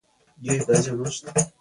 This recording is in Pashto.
پښتانه ټول افغانان دي